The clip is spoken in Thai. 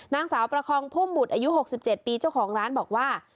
นางสาวประคองผู้หมุดอายุหกสิบเจ็ดปีเจ้าของร้านบอกว่า